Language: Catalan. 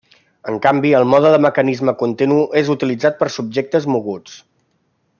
En canvi, el mode de mecanisme continu és utilitzat per subjectes moguts.